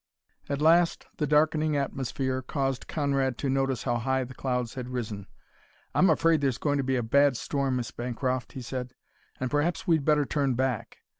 At last the darkening atmosphere caused Conrad to notice how high the clouds had risen. "I'm afraid there's going to be a bad storm, Miss Bancroft," he said, "and perhaps we'd better turn back.